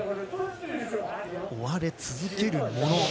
追われ続ける者